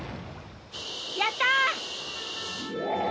やった！